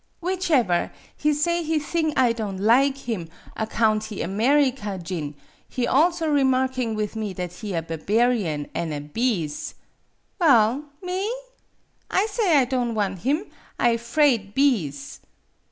"Whichever, he say he thing I don' lig him, account he America jin, he. also re marking with me that he a barbarian an' a beas'. Well, me? I say I don' wan' him. I 'fraid beas'.